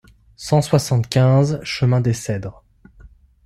cent soixante-quinze chemin des Cedres